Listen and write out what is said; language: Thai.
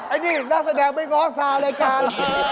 อะนี่น่าแสดงไม่ง้อสาวรายการ